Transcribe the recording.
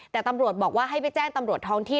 แต่ตำรวจบอกว่าให้ไปแจ้งตำรวจท้องที่